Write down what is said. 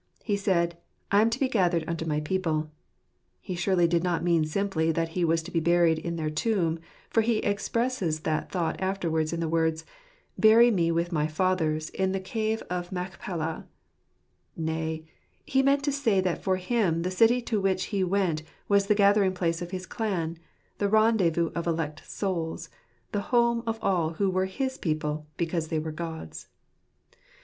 He said, " I am to be gathered unto my people." He surely did not mean simply that he was to be buried in their tomb, for he expresses that thought afterwards in the words, " Bury me with my fathers in the cave of Machpelah " Nay, he meant to say that for him the city to which he went was the gathering place of his clan, the rendezvous of elect souls, the home of all who were his people because they were God's.